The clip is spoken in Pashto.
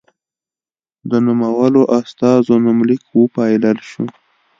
د نومولو استازو نومليک وپايلل شو.